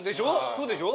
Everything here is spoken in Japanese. そうでしょ？